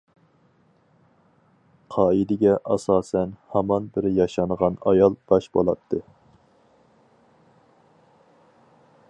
قائىدىگە ئاساسەن ھامان بىر ياشانغان ئايال باش بولاتتى.